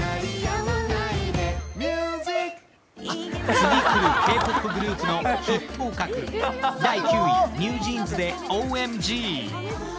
次来るＫ−ＰＯＰグループの筆頭格、第９位、ＮｅｗＪｅａｎｓで「ＯＭＧ」。